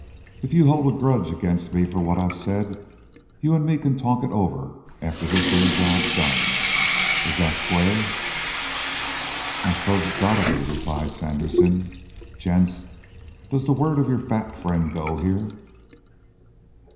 If you hold a grudge agin' me for what I've said, you and me can talk it over after this here job's done. Is that square?" "I s'pose it's got to be," replied Sandersen. "Gents, does the word of your fat friend go here?"